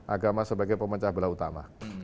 agama sebagai pemecah belah utama